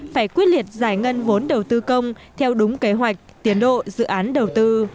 phải quyết liệt giải ngân vốn đầu tư công theo đúng kế hoạch tiến độ dự án đầu tư